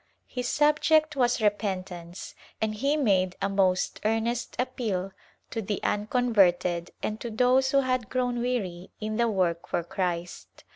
His subject was Repentance, and he made a most earnest appeal to the unconverted and to those who had grown weary in the work for Christ.